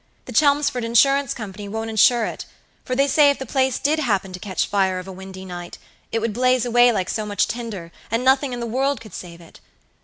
The Chelmsford Insurance Company won't insure it; for they say if the place did happen to catch fire of a windy night it would blaze away like so much tinder, and nothing in the world could save it.